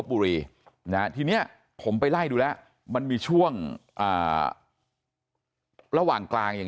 ปรีนะที่เนี่ยผมไปไหล่ทุกแล้วมันมีช่วงระหว่างกลางอย่าง